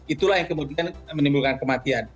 itulah yang kemudian menimbulkan kematian